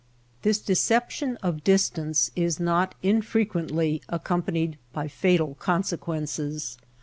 This deception of distance is not infrequently accompanied by fatal consequences.